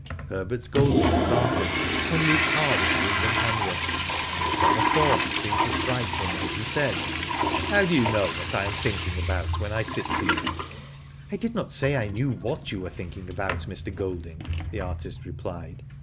'' Herbert Golding started and looked hard at Wyndham Hanworth. Then a thought seemed to strike him, and he said :*' How do you know what I am thinking about when I sit to you?" '* I did not say I knew what you were thinking about, Mr. Golding,"the artist replied.